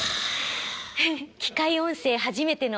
機械音声初めての。